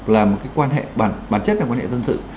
là một cái quan hệ bản chất là quan hệ dân sự